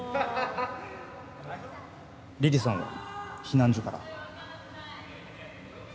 梨々さんは避難所から？